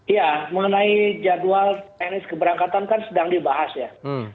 ya mengenai jadwal teknis keberangkatan kan sedang dibahas ya